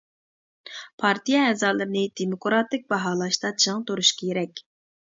پارتىيە ئەزالىرىنى دېموكراتىك باھالاشتا چىڭ تۇرۇش كېرەك.